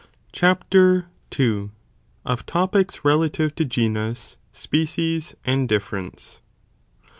) Cuar. II.—Of Topics relative to Genus, Species, and Difference.'